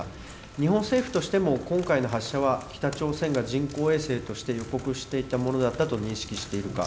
日本政府としても、今回の発射は北朝鮮が人工衛星として予告していたものだったと認識しているか。